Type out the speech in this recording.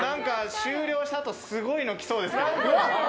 終了した後、すごいの来そうですけど。